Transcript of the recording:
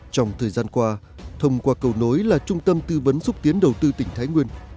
trong thời gian qua thông qua cầu nối là trung tâm tư vấn xúc tiến đầu tư tỉnh thái nguyên